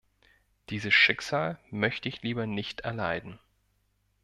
Dieses Schicksal möchte ich lieber nicht erleiden.